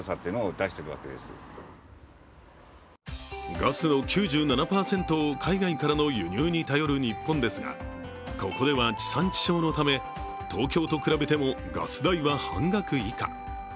ガスの９７％を海外からの輸入に頼る日本ですがここでは地産地消のため東京と比べてもガス代は半額以下。